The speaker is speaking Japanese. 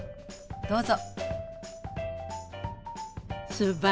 どうぞ。